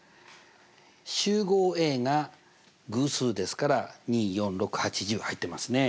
集合Ａが偶数ですから２４６８１０入ってますね。